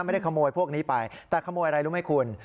ไม่ได้ขโมยพวกนี้ไปแต่ขโมยอะไรรู้ไหมคุณ